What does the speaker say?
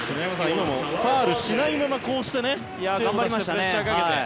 今の、ファウルしないままこうして頑張りましたね。